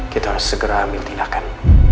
kita harus segera ambil tindakan